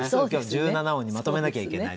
１７音にまとめなきゃいけないという。